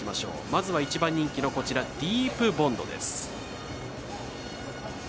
まずは１番人気のディープボンドです。